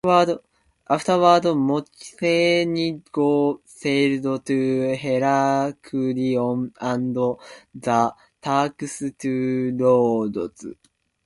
Afterward, Mocenigo sailed to Heraklion, and the Turks to Rhodes.